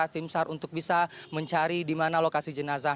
tim sar untuk bisa mencari di mana lokasi jenazah